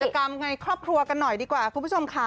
กรรมในครอบครัวกันหน่อยดีกว่าคุณผู้ชมค่ะ